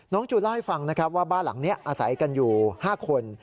จูนเล่าให้ฟังนะครับว่าบ้านหลังนี้อาศัยกันอยู่๕คน